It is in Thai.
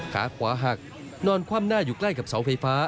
ขาขวาหักนอนคว่ำหน้าอยู่ใกล้กับเสาไฟฟ้า